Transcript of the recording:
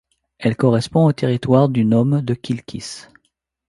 Elle correspond au territoire du nome de Kilkís.